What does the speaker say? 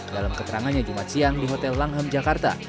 dalam keterangannya jumat siang di hotel langham jakarta